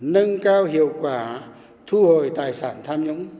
nâng cao hiệu quả thu hồi tài sản tham nhũng